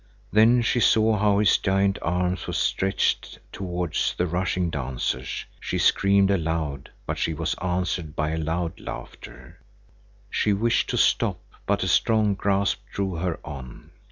Then she saw how his giant arms were stretched towards the rushing dancers. She screamed aloud, but she was answered by loud laughter. She wished to stop, but a strong grasp drew her on.